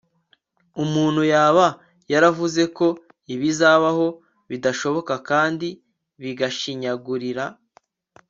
umuntu yaba yaravuze ko ibizabaho, bidashoboka kandi bigashinyagurira